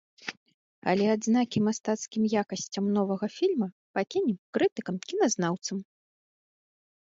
Але адзнакі мастацкім якасцям новага фільма пакінем крытыкам-кіназнаўцам.